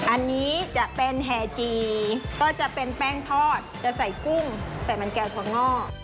อันนี้จะเป็นแห่จีก็จะเป็นแป้งทอดจะใส่กุ้งใส่มันแก้วถั่วงอก